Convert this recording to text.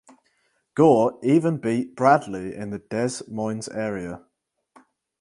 Gore even beat Bradley in the Des Moines area.